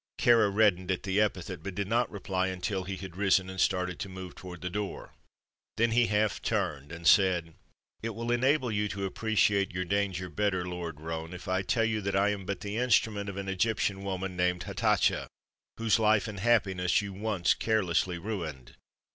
Kāra reddened at the epithet, but did not reply until he had risen and started to move toward the door. Then he half turned and said: "It will enable you to appreciate your danger better, Lord Roane, if I tell you that I am but the instrument of an Egyptian woman named Hatatcha, whose life and happiness you once carelessly ruined.